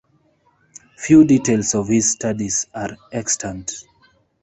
Few details of his studies are extant.